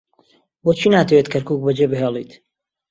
بۆچی ناتەوێت کەرکووک بەجێبهێڵێت؟